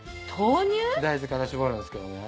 大豆からしぼるんですけどね。